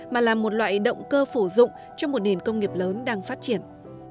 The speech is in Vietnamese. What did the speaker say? mà là một loại động cơ phổ dụng cho một nền công nghiệp lớn đang phát triển